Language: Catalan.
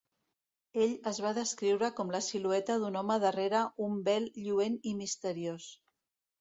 Ell es va descriure com la silueta d"un home darrera un vel lluent i misteriós.